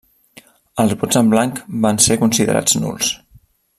Els vots en blanc van ser considerats nuls.